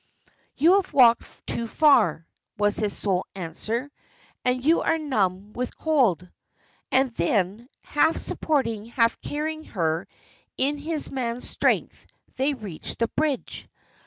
"You have walked too far," was his sole answer, "and you are numb with cold." And then, half supporting, half carrying her in his man's strength, they reached the bridge.